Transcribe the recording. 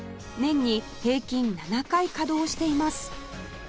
年に平均７回稼働しています